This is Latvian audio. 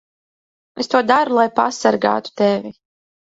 Es to daru, lai pasargātu tevi.